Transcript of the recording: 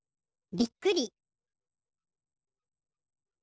びっくり。